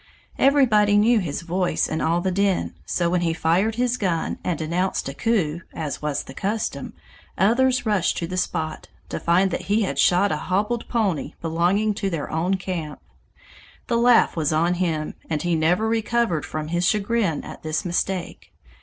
Everybody knew his voice in all the din, so when he fired his gun and announced a coup, as was the custom, others rushed to the spot, to find that he had shot a hobbled pony belonging to their own camp. The laugh was on him, and he never recovered from his chagrin at this mistake.